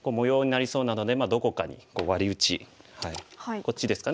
こっちですかね。